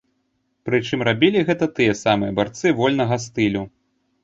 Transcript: Прычым рабілі гэта тыя самыя барцы вольнага стылю.